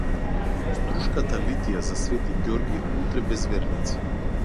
Струшката литија за свети Ѓорги утре без верници